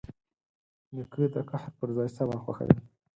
نیکه د قهر پر ځای صبر خوښوي.